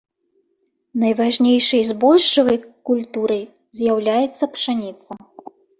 Найважнейшай збожжавай культурай з'яўляецца пшаніца.